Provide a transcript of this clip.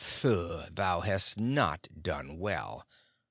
"Thuu, thou hast not done well.